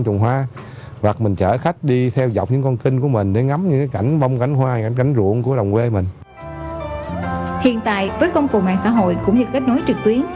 hiện tại với công cụ mạng xã hội cũng như kết nối trực tuyến